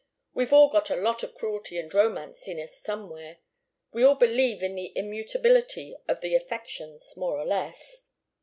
We've all got a lot of cruelty and romance in us somewhere. We all believe in the immutability of the affections, more or less."